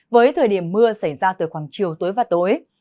với thời điểm mưa xảy ra từ khoảng chiều tối và tối